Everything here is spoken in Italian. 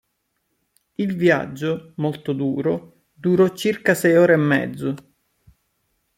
Il viaggio, molto duro, durò circa sei ore e mezzo.